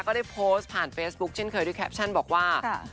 ก็ได้โพสต์ผ่านเฟซบุ๊คเช่นเคยด้วยแคปชั่นบอกว่า